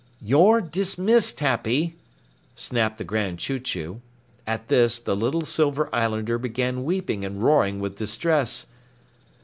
"You're dismissed, Happy," snapped the Grand Chew Chew. At this, the little Silver Islander began weeping and roaring with distress.